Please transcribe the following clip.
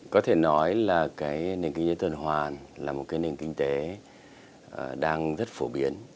có thể nói là cái nền kinh tế tuần hoàn là một cái nền kinh tế đang rất phổ biến